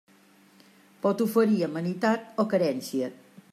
Pot oferir amenitat o carència.